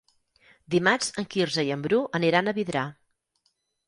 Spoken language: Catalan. Dimarts en Quirze i en Bru aniran a Vidrà.